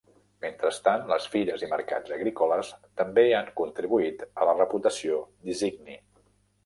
Mentrestant, les fires i mercats agrícoles també han contribuït a la reputació d'Isigny.